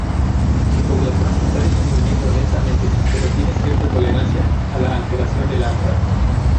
Su población está disminuyendo lentamente, pero tiene cierta tolerancia a la alteración del hábitat.